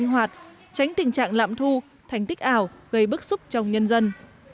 hoạt tránh tình trạng lạm thu thành tích ảo gây bức xúc trong nhân dân